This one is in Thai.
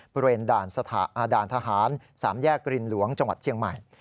บริเวณด่านทหาร๓แยกรินหลวงจังหวัดเชียงใหม่